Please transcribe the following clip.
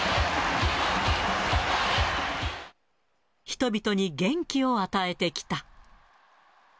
人々に元気を与えてきた。